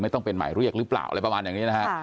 ต้องเป็นหมายเรียกหรือเปล่าอะไรประมาณอย่างนี้นะฮะ